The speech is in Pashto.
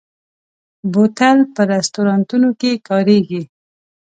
بوتل په رستورانتونو کې کارېږي.